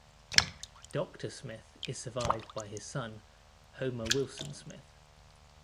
Doctor Smith is survived by his son, Homer Wilson Smith.